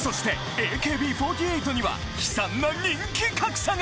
ＡＫＢ４８には悲惨な人気格差が！